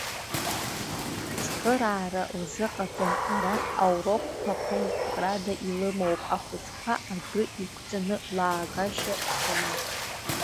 Цхыраара лзыҟаҵом, арахь аурокқәа ԥымкрада илымоуп, ахәыҷқәа адәы иқәҵаны, лаагашьа сымам.